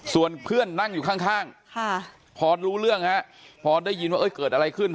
ส่วนเพื่อนนั่งอยู่ข้างพอรู้เรื่องฮะพอได้ยินว่าเกิดอะไรขึ้น